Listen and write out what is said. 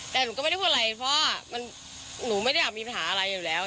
แต่หนูก็ไม่ได้พูดอะไรเพราะว่าหนูไม่ได้อยากมีปัญหาอะไรอยู่แล้ว